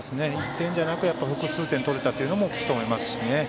１点じゃなくて複数点取れたのも大きいと思いますしね。